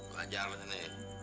lajar lu disini